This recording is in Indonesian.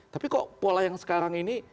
tapi kok pola yang sekarang ini